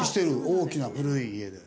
大きな古い家で。